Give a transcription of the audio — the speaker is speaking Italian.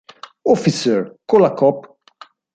Officer, Call a Cop